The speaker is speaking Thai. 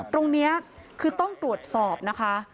ตรงนี้คือต้องตรวจสอบนะคะ